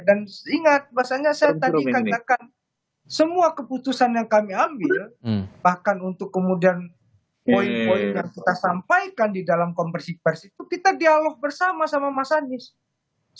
dan ingat maksudnya saya tadi mengatakan semua keputusan yang kami ambil bahkan untuk kemudian poin poin yang kita sampaikan di dalam konversi konversi itu kita dialog bersama sama mas anies